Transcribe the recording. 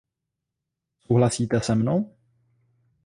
Souhlasíte se mnou?